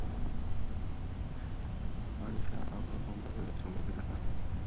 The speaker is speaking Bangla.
আনিশা, আমরা বোমব্লাস্ট ভেবেছিলাম কিন্তু এটা তা নয়।